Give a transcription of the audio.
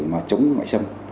mà chống ngoại xâm